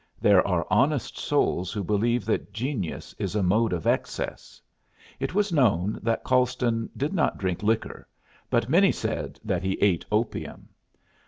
There are honest souls who believe that genius is a mode of excess. It was known that Colston did not drink liquor, but many said that he ate opium.